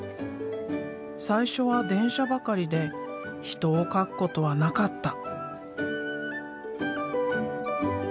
最初は電車ばかりで人を描くことはなかった。